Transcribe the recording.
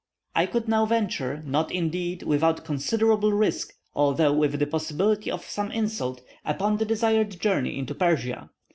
I could now venture, not, indeed, without considerable risk, although with the possibility of some insult, upon the desired journey into Persia.